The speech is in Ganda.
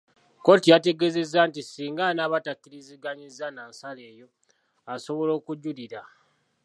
Kooti yategeezezza nti ssinga anaaba takkiriziganyizza na nsala eyo, asobola okujulira.